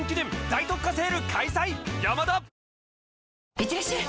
いってらっしゃい！